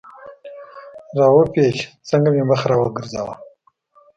را و پېچ، څنګه مې مخ را وګرځاوه.